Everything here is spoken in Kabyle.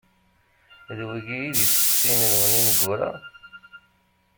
D wigi i d isteqsiyen-nwen ineggura?